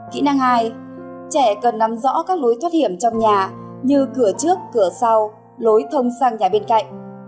kỹ năng hai trẻ cần nắm rõ các lối thoát hiểm trong nhà như cửa trước cửa sau lối thông sang nhà bên cạnh